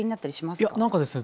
いや何かですね